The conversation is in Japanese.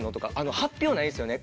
発表ないんですよね。